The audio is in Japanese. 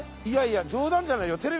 いやいや冗談じゃないよ。